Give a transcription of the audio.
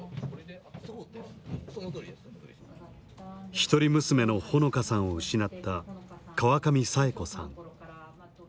一人娘の穂野香さんを失った川上佐永子さん。